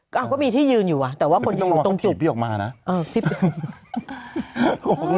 ก็มีที่ยืนอยู่แต่ว่าคนที่อยู่ตรงจุดแต่ไม่ต้องมองว่าเขาถีบพี่ออกมานะ